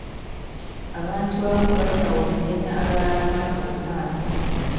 Abantu abamu batya okunenya abalala maaso ku maaso.